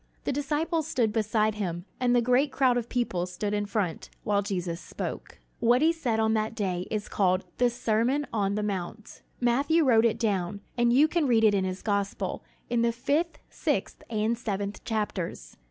The disciples stood beside him, and the great crowd of people stood in front, while Jesus spoke. What he said on that day is called "The Sermon on the Mount." Matthew wrote it down, and you can read it in his gospel, in the fifth, sixth, and seventh chapters.